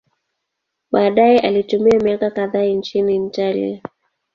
Baadaye alitumia miaka kadhaa nchini Italia.